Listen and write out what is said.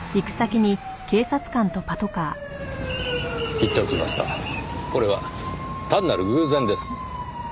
言っておきますがこれは単なる偶然です。